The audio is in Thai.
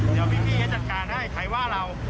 เออเดี๋ยวมีพี่จะจัดการให้ใครว่าเรา